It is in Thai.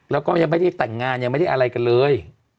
แล้วก็ยังไม่ได้แต่งงานยังไม่ได้อะไรกันเลย